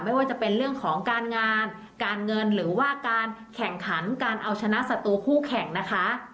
ไม่ว่าจะเป็นเรื่องของการงานการเงินหรือว่าการแข่งขันการเอาชนะศัตรูคู่แข่งนะคะ